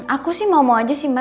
aku sih mau mau aja sih mbak